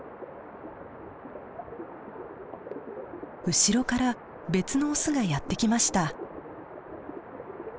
後ろから別のオスがやって来ました。